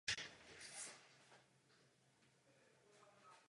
Tady je rozpor.